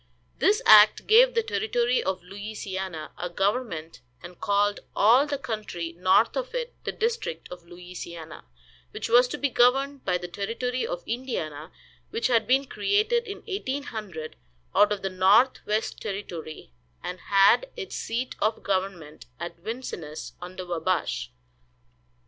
This act gave the Territory of Louisiana a government, and called all the country north of it the District of Louisiana, which was to be governed by the Territory of Indiana, which had been created in 1800 out of the Northwest Territory, and had its seat of government at Vincennes, on the Wabash.